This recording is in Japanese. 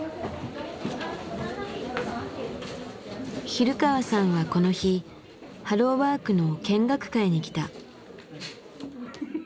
比留川さんはこの日ハローワークの見学会に来た。